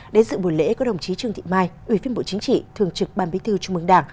đến sự buổi lễ có đồng chí trương thị mai ủy viên bộ chính trị thường trực ban bí thư trung mương đảng